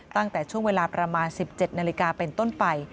ตั้งแต่ช่วงเวลาประมาณ๑๗นาฬิกาเป็นต้นไป